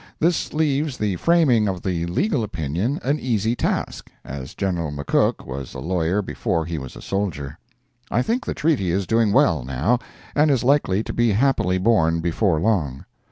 This leaves the framing of the legal opinion an easy task, as Gen. McCook was a lawyer before he was a soldier. I think the treaty is doing well, now, and is likely to be happily born before long.